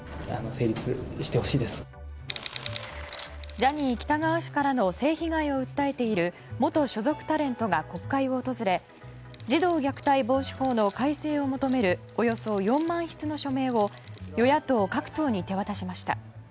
ジャニー喜多川氏からの性被害を訴えている元所属タレントが国会を訪れ児童虐待防止法の改正を求めるおよそ４万筆の署名を与野党各党に手渡しました。